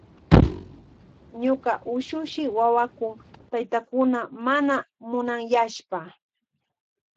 Ñuka ushushi wakakun taytakuna mana munanyashpa.